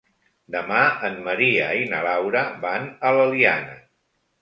Demà en Maria i na Laura van a l'Eliana.